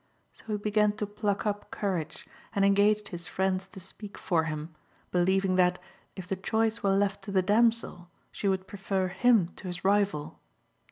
So he began to pluck up courage, and engaged his friends to speak for him, believing that, if the choice were left to the damsel, she would prefer him to his rival.